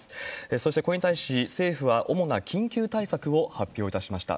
そして、これに対し政府は主な緊急対策を発表いたしました。